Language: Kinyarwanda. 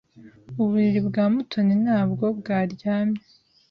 Uburiri bwa Mutoni ntabwo bwaryamye.